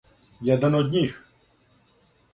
Један од њих.